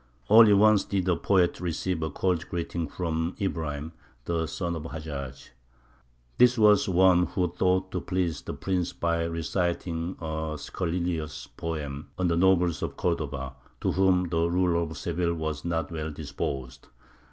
Once only did a poet receive a cold greeting from Ibrahim the son of Hajjāj. This was one who thought to please the prince by reciting a scurrilous poem on the nobles of Cordova, to whom the ruler of Seville was not well disposed.